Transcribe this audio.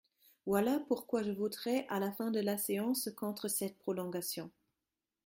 Voilà pourquoi je voterai à la fin de la séance contre cette prolongation.